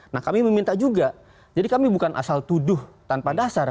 nah kami meminta juga jadi kami bukan asal tuduh tanpa dasar